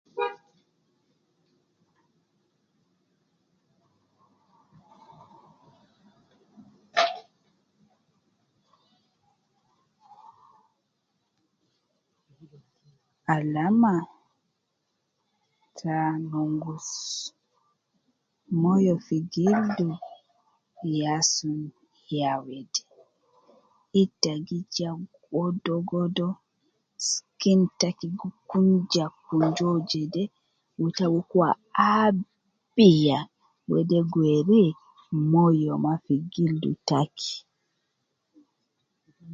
Alama ta nongus moyo gi gildu ya sun, ya wede, ita gi ja godo godo, skin taki gi kunja kunja uwo jede wu ita gi kua abiya, wede gi weri moyo ma fi gildu taki